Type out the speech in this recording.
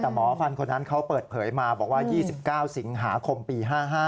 แต่หมอฟันคนนั้นเขาเปิดเผยมาบอกว่า๒๙สิงหาคมปี๕๕